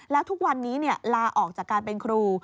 แล้วทุกวันนี้ลาออกจากการเป็นครู